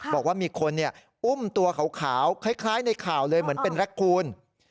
บอกว่ามีคนอุ้มตัวขาวคล้ายในข่าวเลยเหมือนเป็นแร็คคูณ